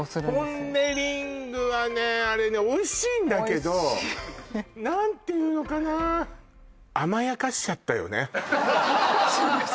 ポン・デ・リングはねあれねおいしいんだけど何ていうのかな甘やかしちゃいました？